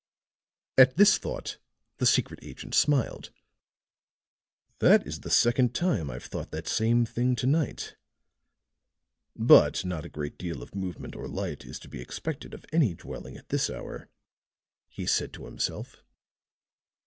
At this thought the secret agent smiled. "That is the second time I've thought that same thing to night. But not a great deal of movement or light is to be expected of any dwelling at this hour," he said to himself.